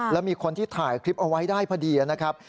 แล้วมีคนที่ถ่ายคลิปเอาไว้ได้พอดีนะครับ